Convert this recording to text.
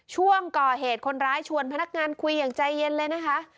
ช่วงก่อเหตุคนร้ายชวนพนักงานคุยอย่างใจเย็นเลยนะคะ